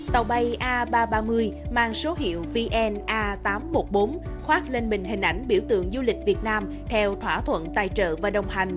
tàu bay a ba trăm ba mươi mang số hiệu vn a tám trăm một mươi bốn khoát lên mình hình ảnh biểu tượng du lịch việt nam theo thỏa thuận tài trợ và đồng hành